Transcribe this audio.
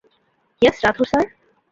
Yes Rathore sir?